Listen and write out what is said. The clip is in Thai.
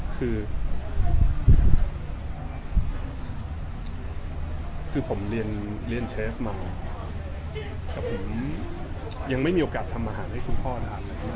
คือผมเรียนเชฟมาแต่ผมยังไม่มีโอกาสทำอาหารให้คุณพ่อนะครับ